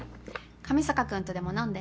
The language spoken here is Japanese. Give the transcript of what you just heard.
上坂君とでも飲んで。